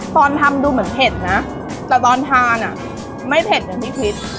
ตอนทำดูเหมือนเผ็ดนะแต่ตอนทานอ่ะไม่เผ็ดอย่างที่คิด